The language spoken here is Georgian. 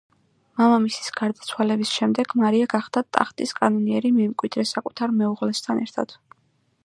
მამამისის გარდაცვალების შემდეგ მარია გახდა ტახტის კანონიერი მემკვიდრე საკუთარ მეუღლესთან ერთად.